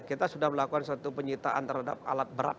kita sudah melakukan suatu penyitaan terhadap alat berat